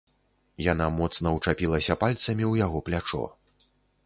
Яна моцна ўчапілася пальцамі ў яго плячо.